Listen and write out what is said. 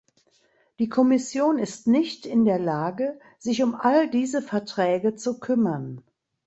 Die Kommission ist nicht in der Lage, sich um all diese Verträge zu kümmern.